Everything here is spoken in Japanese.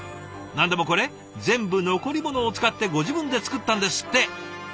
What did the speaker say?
何でもこれ全部残りものを使ってご自分で作ったんですって。